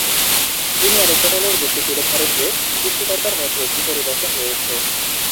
তিনি অ্যারিস্টটলের যুক্তি তুলে ধরেন যে, সৃষ্টিকর্তার মধ্যে একটি পরিবর্তন রয়েছে।